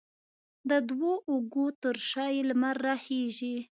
د دوو اوږو ترشا یې، لمر راخیژې